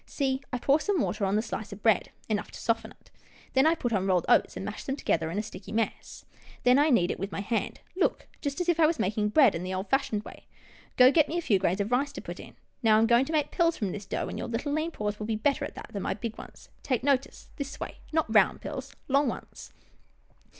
See, I pour some water on the slice of bread, enough to soften it. Then I put on rolled oats, and mash them to gether in a sticky mess. Then I knead it with my hand — look, just as if I was making bread in the old fashioned way. Go get me a few grains of rice to put in — Now, I am going to make pills from this dough, and your little lean paws will be better at that than my big ones. Take notice — this way ■— not round pills, long ones."